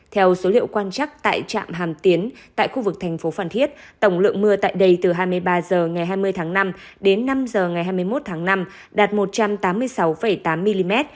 theo số liệu quan chắc tại trạm hàm tiến tại khu vực thành phố phan thiết tổng lượng mưa tại đây từ hai mươi ba h ngày hai mươi tháng năm đến năm h ngày hai mươi một tháng năm đạt một trăm tám mươi sáu tám mm